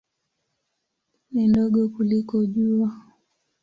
Ni ndogo kuliko Jua.